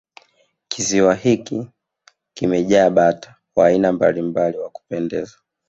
kisiwa hiki kimejaa bata wa aina mbalimbali wa kupendeza